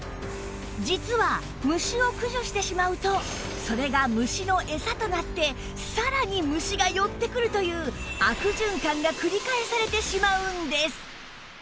実は虫を駆除してしまうとそれが虫のエサとなってさらに虫が寄ってくるという悪循環が繰り返されてしまうんです